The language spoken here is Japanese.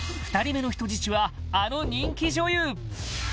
２人目の人質はあの人気女優